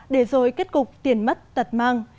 để rồi kết cục tiền mất tật mang